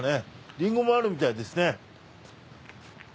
リンゴもあるみたいですね。